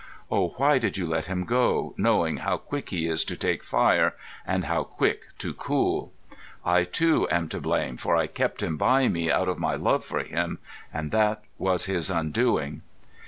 Oh, why did you let him goe, knowing how quick he is to take fire, and how quick to cool? I, too, am to blame, for I kept him by me out of my love for him, and that was his undoing.